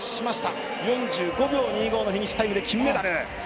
４５秒２５のフィニッシュタイムで金メダル！